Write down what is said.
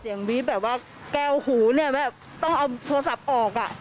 วีฟแบบว่าแก้วหูเนี่ยแบบต้องเอาโทรศัพท์ออกอ่ะ